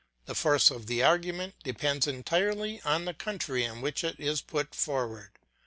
The force of the argument depends entirely on the country in which it is put forward.